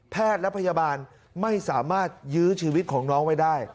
แพทย์และพยาบาลไม่สามารถยื้อชีวิตของน้องไว้ได้